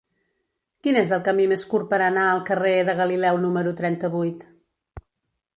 Quin és el camí més curt per anar al carrer de Galileu número trenta-vuit?